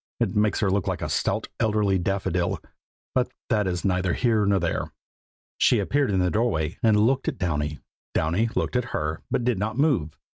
It makes her look so like a stout elderly daffodil, but that is neither here nor there. She appeared in the doorway and looked at Downy. Downy looked at her, but did not move.